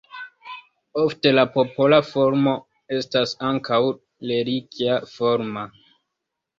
Ofte la popola formo estas ankaŭ religia forma.